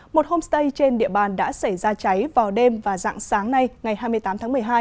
một homestay trên địa bàn đã xảy ra cháy vào đêm và dạng sáng nay ngày hai mươi tám tháng một mươi hai